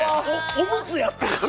おむつやってるし。